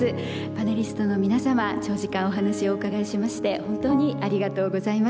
パネリストの皆様長時間お話をお伺いしまして本当にありがとうございました。